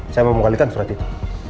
saya mau mengalihkan surat itu